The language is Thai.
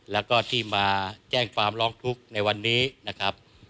แล้วก็ที่มาแจ้งความร้องทุกข์ในวันนี้นะครับ